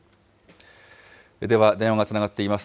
では、電話つながっています。